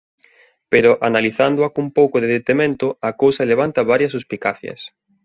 Pero analizándoa cun pouco de detemento, a cousa levanta varias suspicacias.